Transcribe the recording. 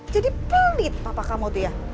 jadi pelit bapak kamu itu ya